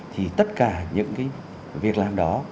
thì tất cả những cái việc làm đó